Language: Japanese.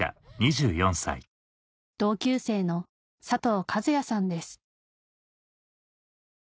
同級生の佐藤和弥さんです